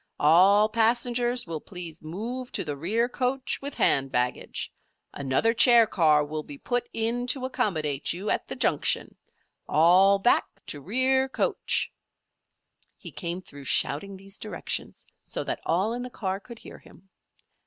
All passengers will please move to the rear coach with hand baggage. Another chair car will be put in to accommodate you at the junction. All back to rear coach!" He came through shouting these directions so that all in the car could hear him.